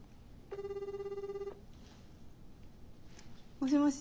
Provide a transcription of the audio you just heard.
もしもし？